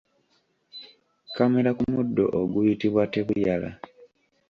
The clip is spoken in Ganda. Kamera ku muddo oguyitibwa tebuyala.